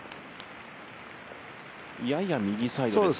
やや右サイドですか。